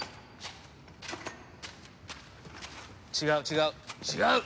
違う違う。